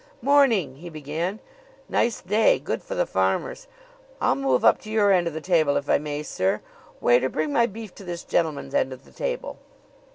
"Morning!" he began; "nice day. Good for the farmers. I'll move up to your end of the table if I may, sir. Waiter, bring my beef to this gentleman's end of the table."